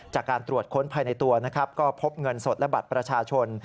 จากการตรวจค้นภายในตัวนะครับก็พบเงินสดและบัตรประชาชน